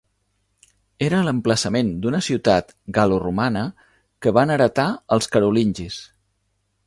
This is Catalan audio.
Era l'emplaçament d'una ciutat galo-romana que van heretar els Carolingis.